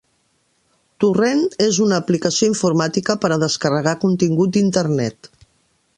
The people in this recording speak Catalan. Torrent és una aplicació informàtica per a descarregar contingut d'internet